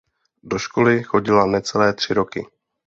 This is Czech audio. Do školy chodila necelé tři roky.